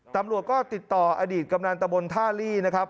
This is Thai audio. ตำรวจก็ติดต่ออดีตกำนันตะบนท่าลี่นะครับ